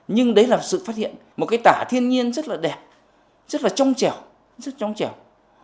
nhưng đấy là sự phát hiện một cái tả thiên nhiên rất là đẹp rất là trong chẻo rất trong trèo